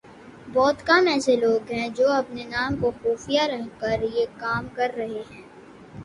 بہت کم ایسے لوگ ہیں جو اپنے نام کو خفیہ رکھ کر یہ کام کررہے ہیں